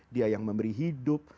dia yang memberi hidup